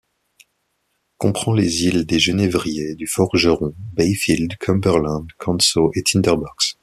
Comprend les îles des Genévriers, du Forgeron, Bayfield, Cumberland, Canso et Tinder Box.